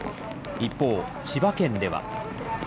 一方、千葉県では。